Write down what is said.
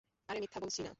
আরে মিথ্যা বলছি না।